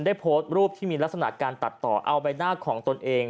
ได้โพสต์รูปที่มีลักษณะการตัดต่อเอาใบหน้าของตนเอง